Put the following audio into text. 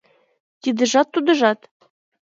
— Тидыжат, тудыжат.